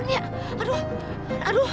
aduh aduh aduh